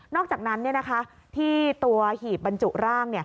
อกจากนั้นที่ตัวหีบบรรจุร่าง